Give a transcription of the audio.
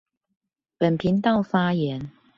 本頻道發言